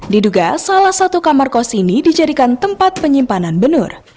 diduga salah satu kamar kos ini dijadikan tempat penyimpanan benur